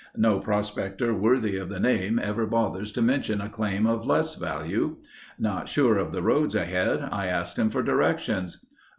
No prospector worthy of the name ever bothers to mention a claim of less value. Not sure of the roads ahead, I asked him for directions.